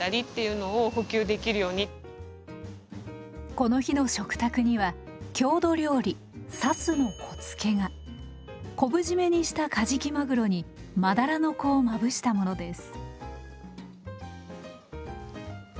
この日の食卓には郷土料理「サスの子付け」が。昆布締めにしたカジキマグロにマダラの子をまぶしたものです。